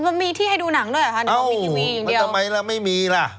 มันมีที่ให้ดูหนังด้วยอ่ะอ้าวทำไมล่ะไม่มีล่ะ